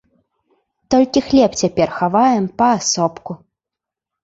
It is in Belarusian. Толькі хлеб цяпер хаваем паасобку.